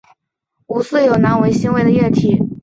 无色有难闻腥味的液体。